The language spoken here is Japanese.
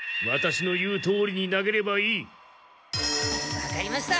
わかりました。